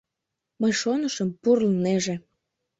Мый шонышым, пурлнеже.